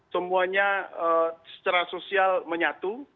semuanya secara sosial menyatu